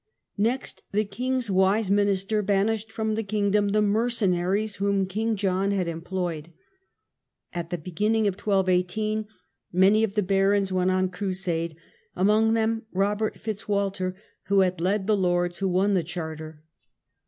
Next the king's wise minister banished from the kingdom the mercenaries whom King John had employed. At the beginning of 12 18 many of the barons went on crusade, among them Robert Fitz Walter, who had led the lords who won the charter.